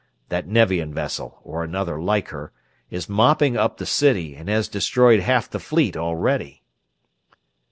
That Nevian vessel or another like her is mopping up the city, and has destroyed half the Fleet already!"